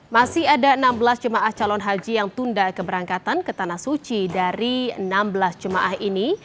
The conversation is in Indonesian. masih ada enam belas jemaah calon haji yang tunda keberangkatan ke tanah suci dari enam belas jemaah ini